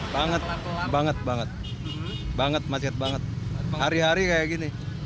banget banget banget banget banget macet banget hari hari kayak gini